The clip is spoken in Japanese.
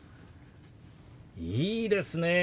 いいですねえ。